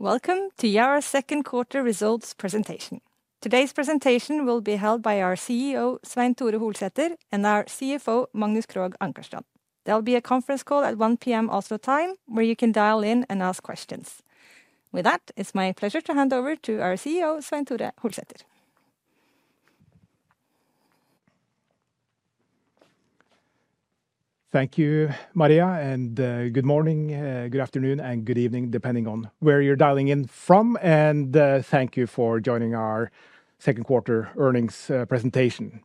Welcome to Yara's Second Quarter Results Presentation. Today's presentation will be held by our CEO, Svein Thore Hulsetter and our CFO, Magnus Krog, Ankerstrand. There will be a conference call at 1PM also time where you can dial in and ask questions. With that, it's my pleasure to hand over to our CEO, Svein Thore Hulsetter. Thank you, Maria, and good morning, good afternoon and good evening, depending on where you're dialing in from. And thank you for joining our second quarter earnings presentation.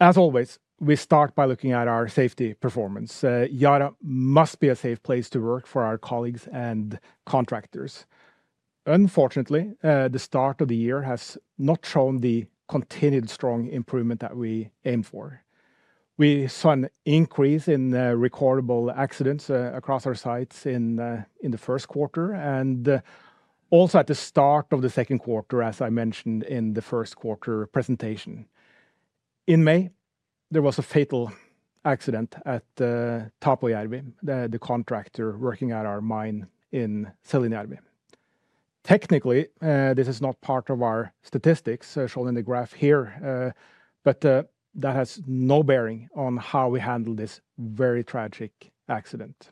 As always, we start by looking at our safety performance. Jara must be a safe place to work for our colleagues and contractors. Unfortunately, the start of the year has not shown the continued strong improvement that we aim for. We saw an increase in recordable accidents across our sites in the first quarter and also at the start of the second quarter, as I mentioned in the first quarter presentation. In May, there was a fatal accident at Tapojarvi, the contractor working at our mine in Seljarvi. Technically, this is not part of our statistics shown in the graph here, but that has no bearing on how we handle this very tragic accident.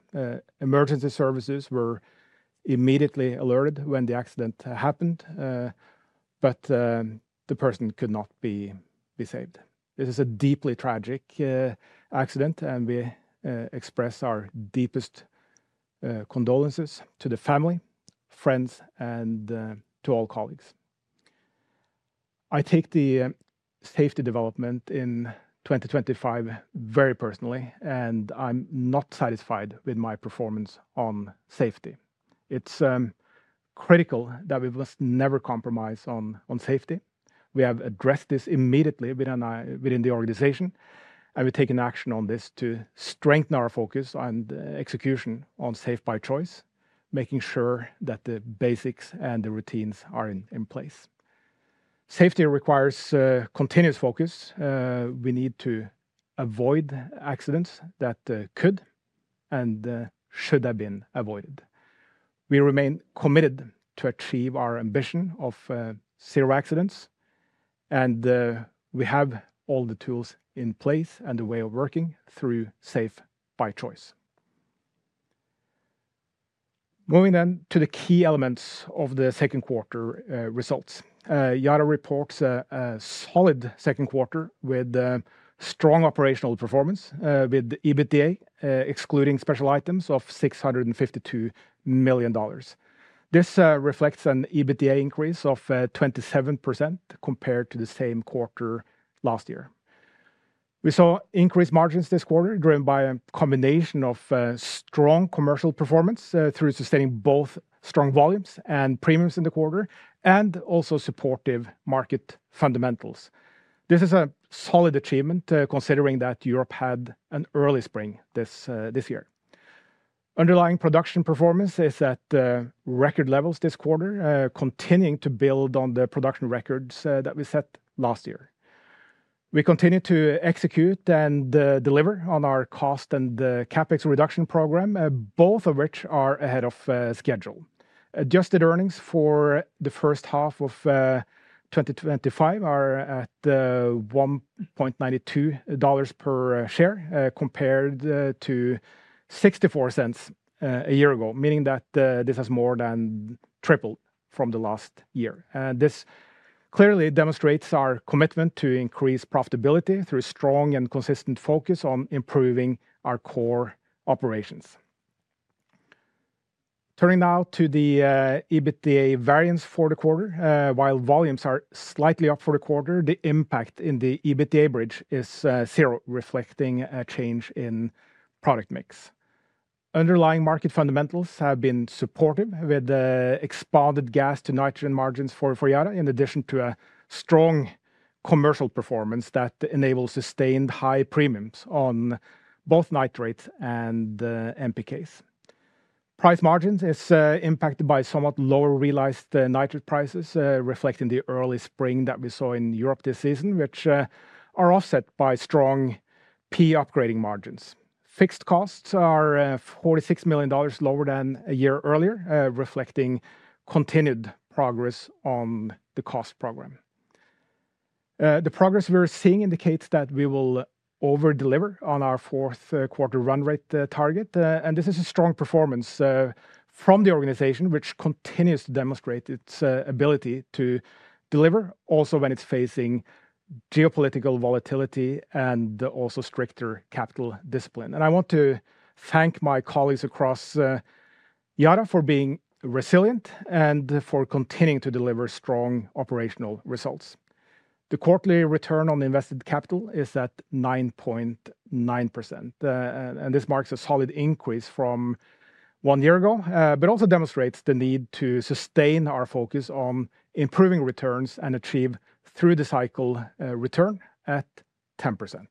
Emergency services were immediately alerted when the accident happened, but the person could not be saved. This is a deeply tragic accident and we express our deepest condolences to the family, friends and to all colleagues. I take the safety development in 2025 very personally, and I'm not satisfied with my performance on safety. It's critical that we must never compromise on safety. We have addressed this immediately within the organization and we've taken action on this to strengthen our focus and execution on safety by choice, making sure that the basics and the routines are in place. Safety requires continuous focus. We need to avoid accidents that could and should have been avoided. We remain committed to achieve our ambition of zero accidents, and we have all the tools in place and the way of working through safe by choice. Moving then to the key elements of the second quarter results. Jarrah reports a solid second quarter with strong operational performance with EBITDA, excluding special items, of $652,000,000 This reflects an EBITDA increase of 27% compared to the same quarter last year. We saw increased margins this quarter, driven by a combination of strong commercial performance through sustaining both strong volumes and premiums in the quarter and also supportive market fundamentals. This is a solid achievement considering that Europe had an early spring this year. Underlying production performance is at record levels this quarter, continuing to build on the production records that we set last year. We continue to execute and deliver on our cost and CapEx reduction program, both of which are ahead of schedule. Adjusted earnings for the 2025 are at $1.92 per share compared to $0.64 a year ago, meaning that this has more than tripled from the last year. This clearly demonstrates our commitment to increase profitability through strong and consistent focus on improving our core operations. Turning now to the EBITDA variance for the quarter. While volumes are slightly up for the quarter, the impact in the EBITDA bridge is zero, reflecting a change in product mix. Underlying market fundamentals have been supportive with the expanded gas to nitrogen margins for Juara in addition to a strong commercial performance that enables sustained high premiums on both nitrates and NPKs. Price margin is impacted by somewhat lower realized nitrate prices, reflecting the early spring that we saw in Europe this season, which are offset by strong PE upgrading margins. Fixed costs are $46,000,000 lower than a year earlier, reflecting continued progress on the cost program. The progress we're seeing indicates that we will over deliver on our fourth quarter run rate target, and this is a strong performance from the organization, which continues to demonstrate its ability to deliver also when it's facing geopolitical volatility and also stricter capital discipline. And I want to thank my colleagues across Jara for being resilient and for continuing to deliver strong operational results. The quarterly return on invested capital is at 9.9%, and this marks a solid increase from one year ago, but also demonstrates the need to sustain our focus on improving returns and achieve through the cycle return at 10%.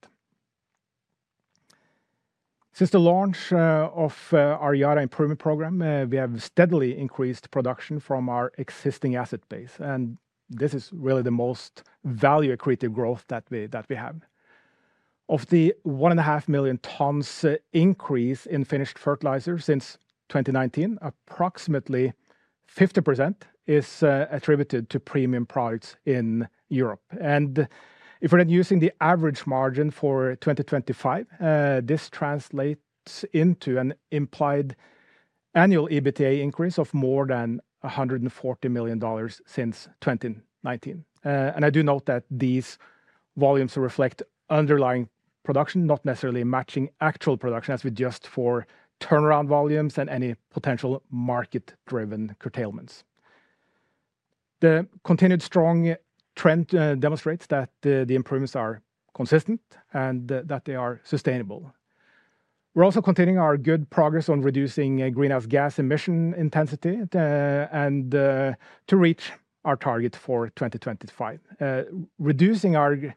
Since the launch of our Yara improvement program, we have steadily increased production from our existing asset base, and this is really the most value accretive growth that we have. Of the 1,500,000 tonnes increase in finished fertilizers since 2019, approximately 50% is attributed to premium products in Europe. And if we're not using the average margin for 2025, this translates into an implied annual EBITDA increase of more than $140,000,000 since 2019. And I do note that these volumes reflect underlying production, not necessarily matching actual production as we adjust for turnaround volumes and any potential market driven curtailments. The continued strong trend demonstrates that the improvements are consistent and that they are sustainable. We're also continuing our good progress on reducing greenhouse gas emission intensity and to reach our target for 2025. Reducing our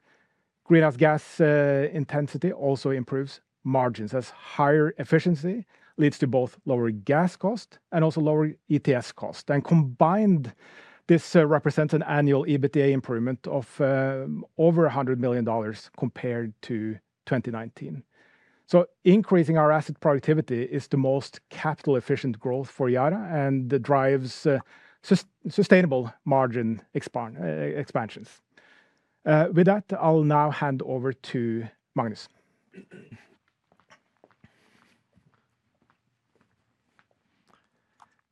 greenhouse gas intensity also improves margins, as higher efficiency leads to both lower gas cost and also lower EPS cost. And combined, this represents an annual EBITDA improvement of over $100,000,000 compared to 2019. So increasing our asset productivity is the most capital efficient growth for IATA and drives sustainable margin expansions. With that, I'll now hand over to Magnus.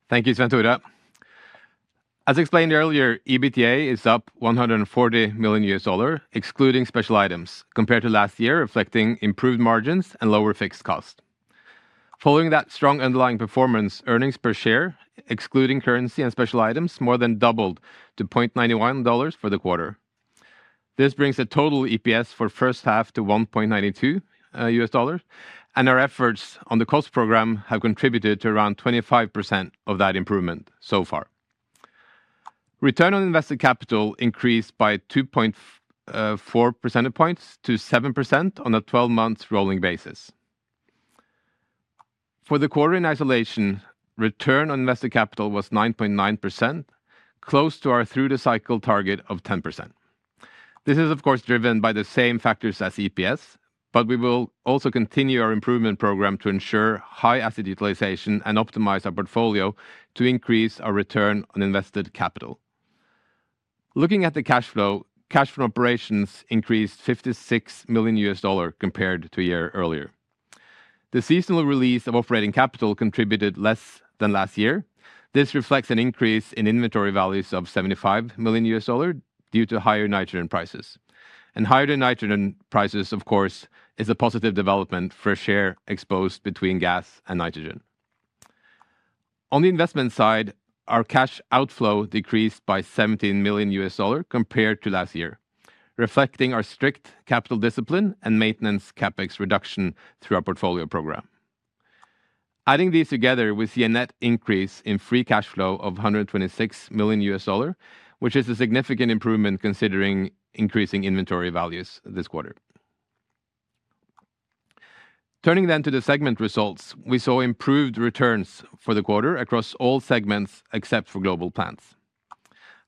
Thank you, Svendt Hora. As explained earlier, EBITDA is up $140,000,000 excluding special items compared to last year, reflecting improved margins and lower fixed cost. Following that strong underlying performance, earnings per share excluding currency and special items more than doubled to $0.91 for the quarter. This brings the total EPS for first half to $1.92 and our efforts on the cost program have contributed to around 25% of that improvement so far. Return on invested capital increased by 2.4 percentage points to 7% on a twelve month rolling basis. For the quarter in isolation, return on invested capital was 9.9%, close to our through the cycle target of 10%. This is, of course, driven by the same factors as EPS, but we will also continue our improvement program to ensure high asset utilization and optimize our portfolio to increase our return on invested capital. Looking at the cash flow, cash from operations increased US56 million dollars compared to a year earlier. The seasonal release of operating capital contributed less than last year. This reflects an increase in inventory values of US75 million dollars due to higher nitrogen prices. And higher than nitrogen prices, of course, is a positive development for share exposed between gas and nitrogen. On the investment side, our cash outflow decreased by US17 million dollars compared to last year, reflecting our strict capital discipline and maintenance CapEx reduction through our portfolio program. Adding these together, we see a net increase in free cash flow of US126 million dollars which is a significant improvement considering increasing inventory values this quarter. Turning then to the segment results. We saw improved returns for the quarter across all segments except for Global Plants.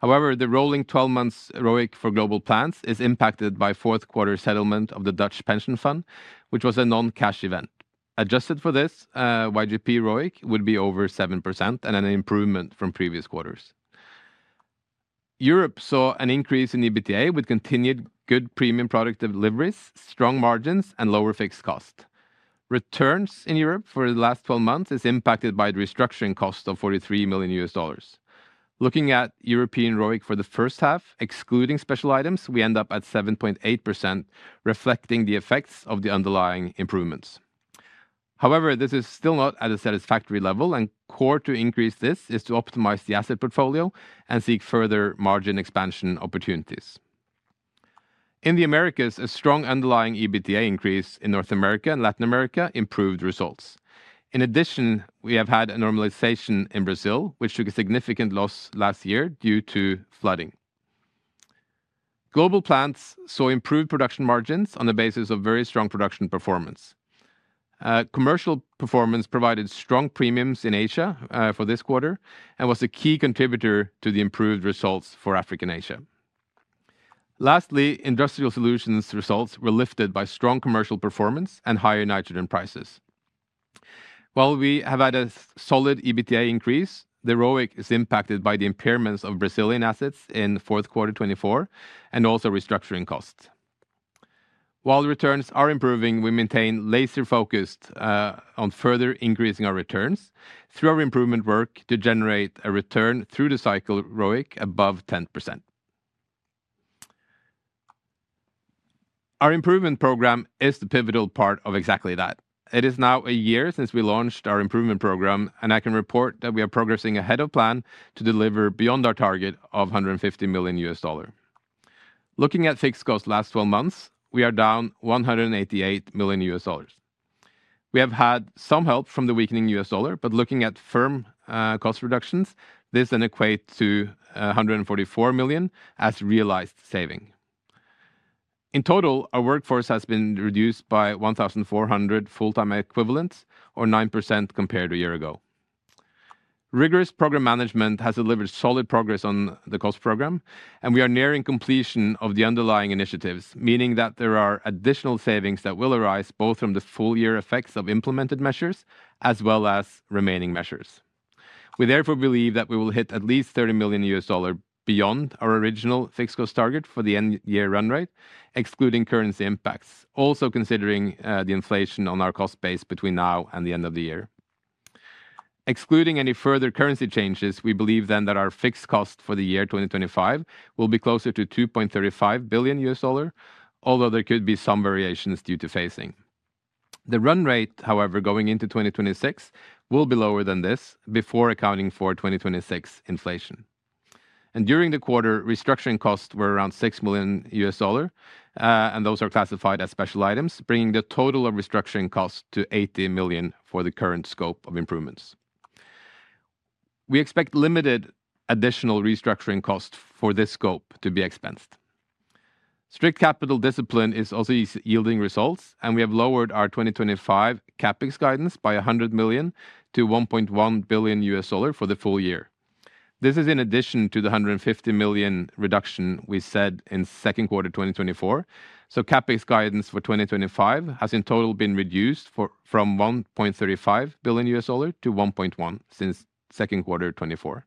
However, the rolling twelve months ROIC for Global Plants is impacted by fourth quarter settlement of the Dutch Pension Fund, which was a noncash event. Adjusted for this, YGP ROIC would be over 7% and an improvement from previous quarters. Europe saw an increase in EBITDA with continued good premium product deliveries, strong margins and lower fixed cost. Returns in Europe for the last twelve months is impacted by restructuring costs of US43 million dollars Looking at European ROIC for the first half, excluding special items, we end up at 7.8%, reflecting the effects of the underlying improvements. However, this is still not at a satisfactory level and core to increase this is to optimize the asset portfolio and seek further margin expansion opportunities. In The Americas, a strong underlying EBITDA increase in North America and Latin America improved results. In addition, we have had a normalization in Brazil, which took a significant loss last year due to flooding. Global plants saw improved production margins on the basis of very strong production performance. Commercial performance provided strong premiums in Asia for this quarter and was a key contributor to the improved results for African Asia. Lastly, Industrial Solutions results were lifted by strong commercial performance and higher nitrogen prices. While we have had a solid EBITDA increase, the ROIC is impacted by the impairments of Brazilian assets in fourth quarter twenty twenty four and also restructuring costs. While returns are improving, we maintain laser focused on further increasing our returns through our improvement work to generate a return through the cycle ROIC above 10%. Our improvement program is the pivotal part of exactly that. It is now a year since we launched our improvement program, and I can report that we are progressing ahead of plan to deliver beyond our target of $150,000,000 Looking at fixed costs last twelve months, we are down $188,000,000 We have had some help from the weakening U. S. Dollar, but looking at firm cost reductions, this then equates to $144,000,000 as realized saving. In total, our workforce has been reduced by 1,400 full time equivalents or 9% compared to a year ago. Rigorous program management has delivered solid progress on the cost program, and we are nearing completion of the underlying initiatives, meaning that there are additional savings that will arise both from the full year effects of implemented measures as well as remaining measures. We therefore believe that we will hit at least US30 million dollars beyond our original fixed cost target for the end year run rate, excluding currency impacts, also considering the inflation on our cost base between now and the end of the year. Excluding any further currency changes, we believe then that our fixed cost for the year 2025 will be closer to $2,350,000,000 although there could be some variations due to phasing. The run rate, however, going into 2026 will be lower than this before accounting for 2026 inflation. And during the quarter, restructuring costs were around $6,000,000 and those are classified as special items, bringing the total of restructuring costs to $80,000,000 for the current scope of improvements. We expect limited additional restructuring costs for this scope to be expensed. Strict capital discipline is also yielding results and we have lowered our 2025 CapEx guidance by $100,000,000 to $1,100,000,000 for the full year. This is in addition to the $150,000,000 reduction we said in second quarter twenty twenty four. So CapEx guidance for 2025 has in total been reduced from US1.35 billion dollars to US1.1 billion since second quarter twenty twenty four.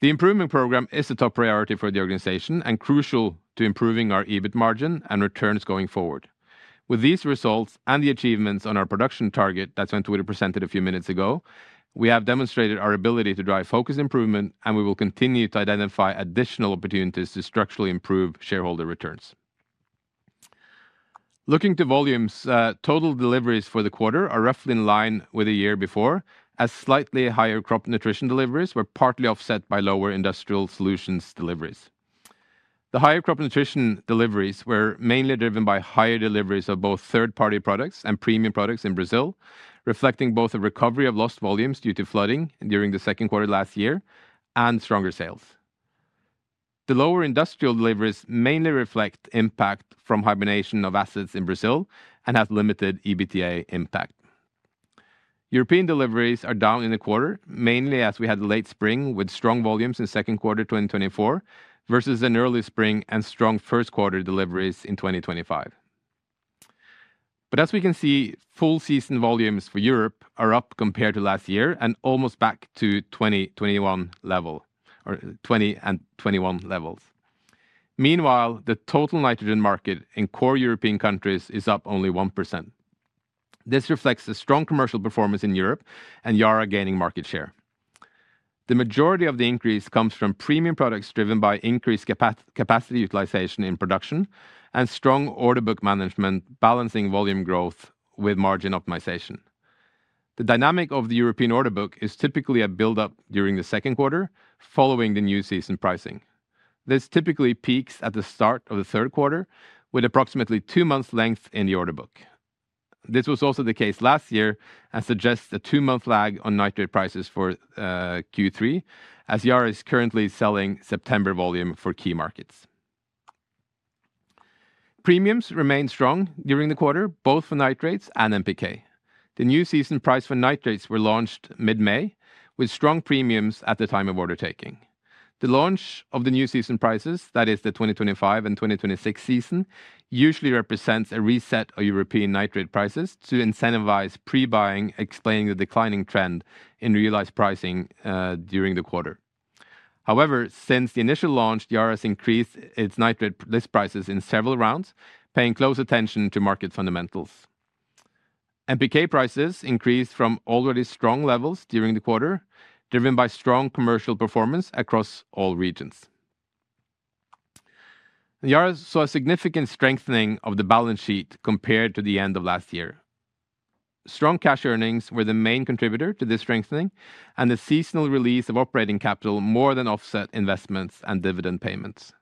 The improvement program is a top priority for the organization and crucial to improving our EBIT margin and returns going forward. With these results and the achievements on our production target that Sven Toure presented a few minutes ago, we have demonstrated our ability to drive focus improvement and we will continue to identify additional opportunities to structurally improve shareholder returns. Looking to volumes. Total deliveries for the quarter are roughly in line with the year before, as slightly higher Crop Nutrition deliveries were partly offset by lower Industrial Solutions deliveries. The higher Crop Nutrition deliveries were mainly driven by higher deliveries of both third party products and premium products in Brazil, reflecting both a recovery of lost volumes due to flooding during the second quarter last year and stronger sales. The lower Industrial deliveries mainly reflect impact from hibernation of assets in Brazil and have limited EBITDA impact. European deliveries are down in the quarter, mainly as we had late spring with strong volumes in second quarter twenty twenty four versus an early spring and strong first quarter deliveries in 2025. But as we can see, full season volumes for Europe are up compared to last year and almost back to 2021 level 2021 levels. Meanwhile, the total nitrogen market in core European countries is up only 1%. This reflects the strong commercial performance in Europe and Jara gaining market share. The majority of the increase comes from premium products driven by increased capacity utilization in production and strong order book management balancing volume growth with margin optimization. The dynamic of the European order book is typically a buildup during the second quarter following the new season pricing. This typically peaks at the start of the third quarter with approximately two months length in the order book. This was also the case last year and suggests a two month lag on nitrate prices for Q3 as Jara is currently selling September volume for key markets. Premiums remained strong during the quarter, both for nitrates and NPK. The new season price for nitrates were launched mid May, with strong premiums at the time of order taking. The launch of the new season prices, that is the 2025 and 2026 season, usually represents a reset of European nitrate prices to incentivize pre buying explaining the declining trend in realized pricing during the quarter. However, since the initial launch, Jara has increased its nitrate list prices in several rounds, paying close attention to market fundamentals. NPK prices increased from already strong levels during the quarter, driven by strong commercial performance across all regions. Jars saw a significant strengthening of the balance sheet compared to the end of last year. Strong cash earnings were the main contributor to this strengthening and the seasonal release of operating capital more than offset investments and dividend payments.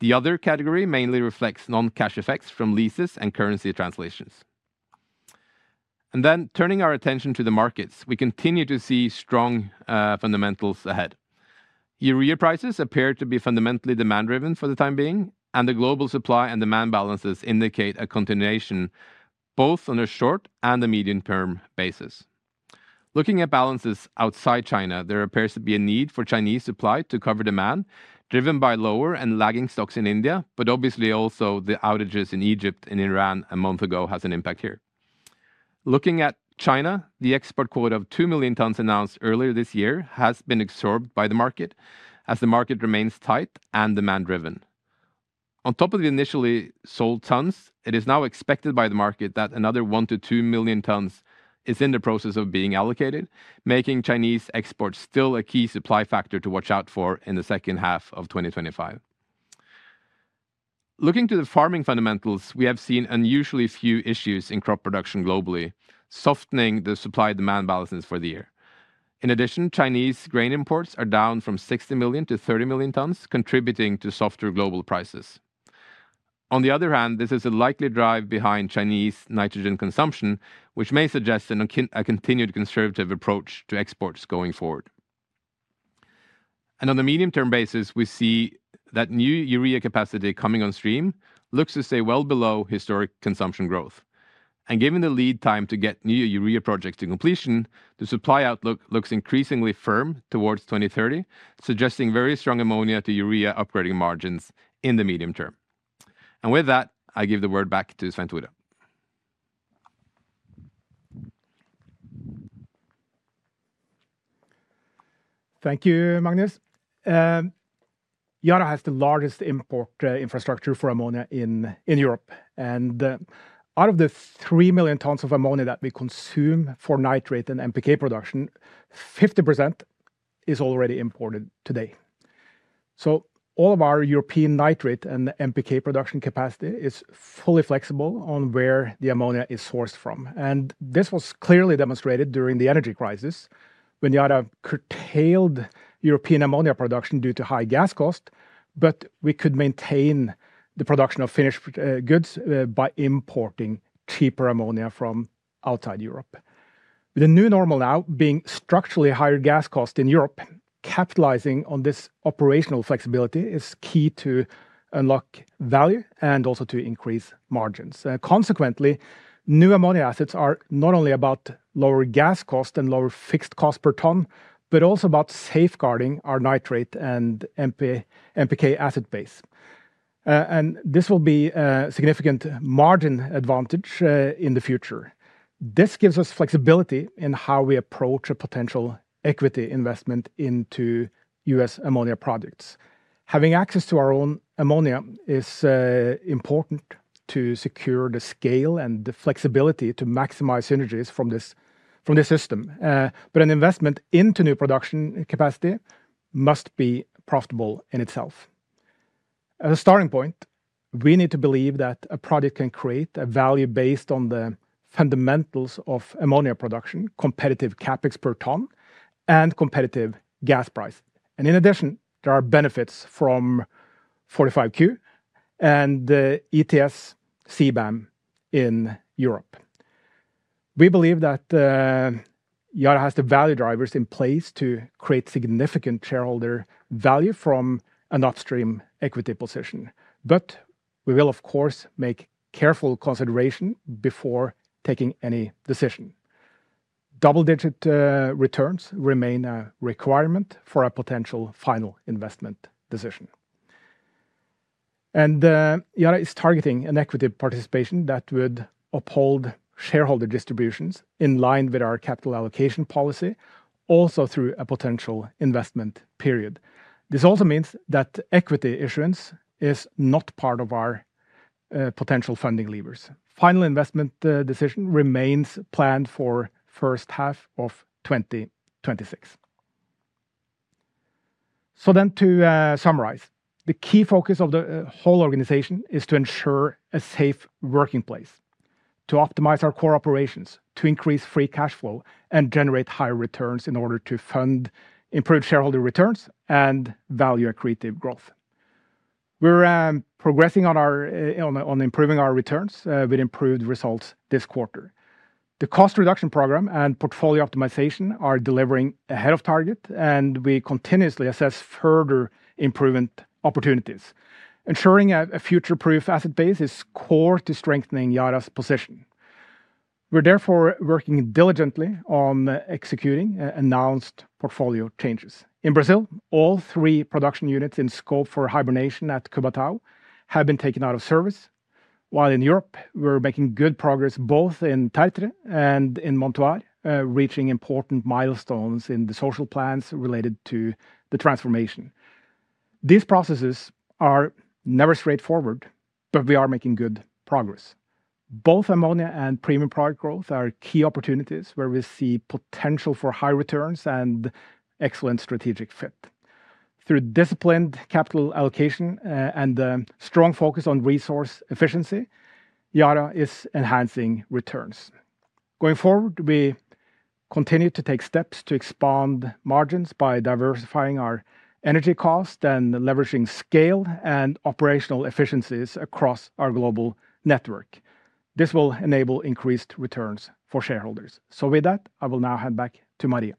The Other category mainly reflects noncash effects from leases and currency translations. And then turning our attention to the markets. We continue to see strong fundamentals ahead. Urea prices appear to be fundamentally demand driven for the time being and the global supply and demand balances indicate a continuation both on a short and a medium term basis. Looking at balances outside China, there appears to be a need for Chinese supply to cover demand driven by lower and lagging stocks in India, but obviously also the outages in Egypt and Iran a month ago has an impact here. Looking at China, the export quota of 2,000,000 tonnes announced earlier this year has been absorbed by the market, as the market remains tight and demand driven. On top of the initially sold tonnes, it is now expected by the market that another 1,000,000 to 2,000,000 tonnes is in the process of being allocated, making Chinese exports still a key supply factor to watch out for in the second half of twenty twenty five. Looking to the farming fundamentals, we have seen unusually few issues in crop production globally, softening the supplydemand balances for the year. In addition, Chinese grain imports are down from 60,000,000 to 30,000,000 tonnes contributing to softer global prices. On the other hand, this is a likely drive behind Chinese nitrogen consumption, which may suggest a continued conservative approach to exports going forward. And on the medium term basis, we see that new urea capacity coming on stream looks to stay well below historic consumption growth. And given the lead time to get new urea projects to completion, the supply outlook looks increasingly firm towards 02/1930, suggesting very strong Ammonia to urea operating margins in the medium term. And with that, I give the word back to Svendt Wide. Thank you, Magnus. Jana has the largest import infrastructure for ammonia in Europe. And out of the 3,000,000 tonnes of ammonia that we consume for nitrate and MPK production, 50% is already imported today. So all of our European nitrate and MPK production capacity is fully flexible on where the ammonia is sourced from. And this was clearly demonstrated during the energy crisis when Jara curtailed European ammonia production due to high gas cost, but we could maintain the production of finished goods by importing cheaper ammonia from outside Europe. With the new normal now being structurally higher gas cost in Europe, capitalizing on this operational flexibility is key to unlock value and also to increase margins. Consequently, new ammonia assets are not only about lower gas cost and lower fixed cost per tonne, but also about safeguarding our nitrate and NPK asset base. And this will be a significant margin advantage in the future. This gives us flexibility in how we approach a potential equity investment into U. S. Ammonia projects. Having access to our own ammonia is important to secure the scale and the flexibility to maximize synergies from this system. But an investment into new production capacity must be profitable in itself. As a starting point, we need to believe that a project can create a value based on the fundamentals of ammonia production, competitive CapEx per tonne and competitive gas price. And in addition, there are benefits from 45Q and ETS CBAM in Europe. We believe that Jara has the value drivers in place to create significant shareholder value from an upstream equity position. But we will, of course, make careful consideration before taking any decision. Double digit returns remain a requirement for a potential final investment decision. And Jara is targeting an equity participation that would uphold shareholder distributions in line with our capital allocation policy, also through a potential investment period. This also means that equity issuance is not part of our potential funding levers. Final investment decision remains planned for first half of twenty twenty six. So then to summarize, the key focus of the whole organization is to ensure a safe working place, to optimize our core operations, to increase free cash flow and generate higher returns in order to fund improved shareholder returns and value accretive growth. We're progressing on improving our returns with improved results this quarter. The cost reduction program and portfolio optimization are delivering ahead of target and we continuously assess further improvement opportunities. Ensuring a future proof asset base is core to strengthening Yara's position. We're therefore working diligently on executing announced portfolio changes. In Brazil, all three production units in scope for hibernation at Cubatao have been taken out of service, while in Europe we're making good progress both in Teitre and in Montoir, reaching important milestones in the social plans related to the transformation. These processes are never straightforward, but we are making good progress. Both ammonia and premium product growth are key opportunities where we see potential for high returns and excellent strategic fit. Through disciplined capital allocation and strong focus on resource efficiency, Jara is enhancing returns. Going forward, we continue to take steps to expand margins by diversifying our energy cost and leveraging scale and operational efficiencies across our global network. This will enable increased returns for shareholders. So with that, I will now hand back to Maria.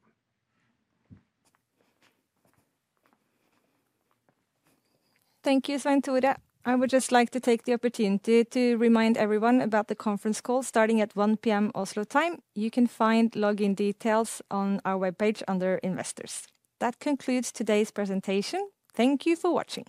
Thank you, Seinthorje. I would just like to take the opportunity to remind everyone about the conference call starting at 1PM Oslo time. You can find login details on our webpage under Investors. That concludes today's presentation. Thank you for watching.